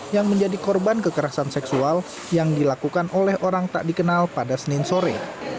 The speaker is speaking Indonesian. yang menjadi korban kekerasan seksual yang dilakukan oleh orang tak dikenal pada senin sore